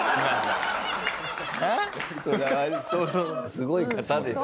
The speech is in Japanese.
すごい方ですよ。